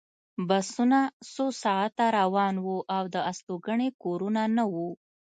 بسونه څو ساعته روان وو او د استوګنې کورونه نه وو